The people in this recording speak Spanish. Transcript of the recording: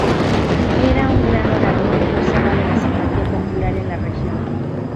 Era un gran orador y gozaba de la simpatía popular en la región.